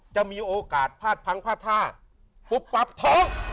จะมีโอกาสภาดภังภาษาปุ๊บปรับโถง